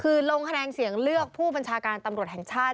คือลงคะแนนเสียงเลือกผู้บัญชาการตำรวจแห่งชาติ